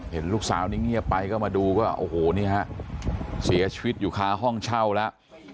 เห็นลูกสาวนี้เงียบไปก็มาดูก็โอ้โหนี่ฮะเสียชีวิตอยู่ค้าห้องเช่าแล้ว